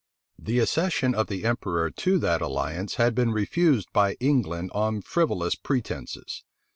The accession of the emperor to that alliance had been refused by England on frivolous pretences.